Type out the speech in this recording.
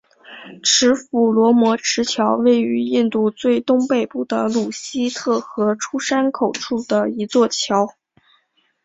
持斧罗摩池桥位于印度最东北部的鲁西特河出山口处的一座桥。